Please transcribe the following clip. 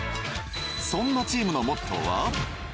そんなチームのモットーは。